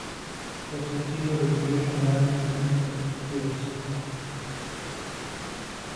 El sencillo recibió generalmente críticas positivas.